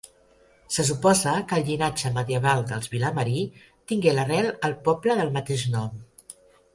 Se suposa que el llinatge medieval dels Vilamarí tingué l'arrel al poble del mateix nom.